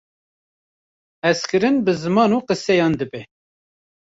Hezkirin bi ziman û qiseyan dibe.